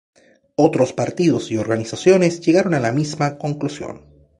Otros partidos y organizaciones llegaron a la misma conclusión.